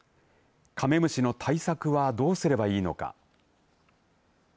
カメムシの対策はどうすればいいのか。